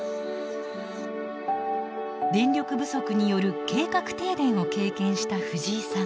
電力不足による計画停電を経験したフジイさん。